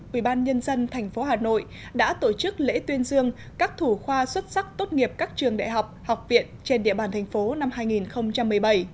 ủy ban nhân dân thành phố hà nội đã tổ chức lễ tuyên dương các thủ khoa xuất sắc tốt nghiệp các trường đại học học viện trên địa bàn thành phố năm hai nghìn một mươi bảy